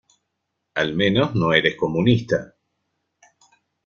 Al menos no eres comunista.